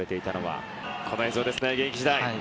この映像ですね、現役時代。